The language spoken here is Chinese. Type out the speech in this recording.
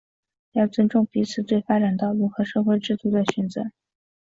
要尊重彼此对发展道路和社会制度的选择